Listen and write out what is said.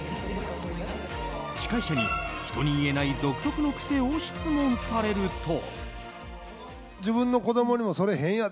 司会者に人に言えない独特の癖を質問されると。